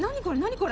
これ。